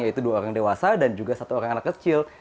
yaitu dua orang dewasa dan juga satu orang anak kecil